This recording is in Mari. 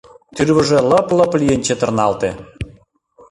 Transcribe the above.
Тӱрвыжӧ лып-лып лийын чытырналте.